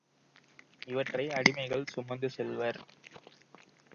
இவற்றை அடிமைகள் சுமந்து செல்வர்.